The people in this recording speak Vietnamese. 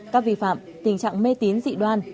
các vi phạm tình trạng mê tín dị đoan